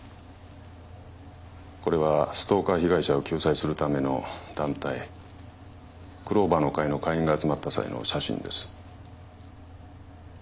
これはストーカー被害者を救済するための団体クローバーの会の会員が集まった際の写真です